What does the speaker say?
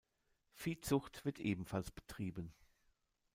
Viehzucht wird ebenfalls betrieben.